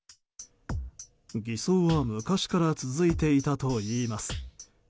偽装は昔から続いていたといいます。